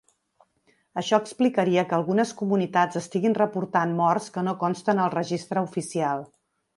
Això explicaria que algunes comunitats estiguin reportat morts que no consten al registre oficial.